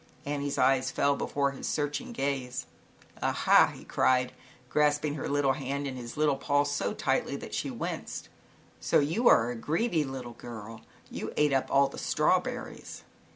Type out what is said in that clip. An nie's eyes fell before his searching gaze. "Ah, ha," he cried, grasping her hand in his little paw so tightly that she winced, "So you are a greedy little girl, you ate up all the strawberries."